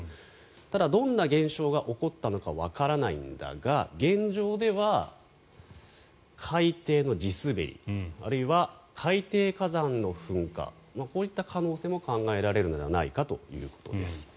ただ、どんな現象が起こったかわからないんだが現状では海底の地滑りあるいは海底火山の噴火こういった可能性も考えられるのではないかということです。